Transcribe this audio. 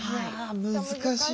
難しい。